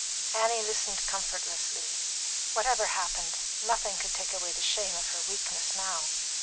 Annie listened comfortlessly. Whatever happened, nothing could take away the shame of her weakness now.